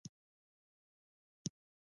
چې تر پايه وړو سرونه سلامت هم